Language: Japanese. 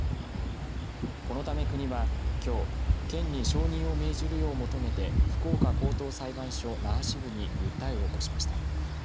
このため国は、きょう県に承認を命じるよう求めて福岡高等裁判所那覇支部に訴えを起こしました。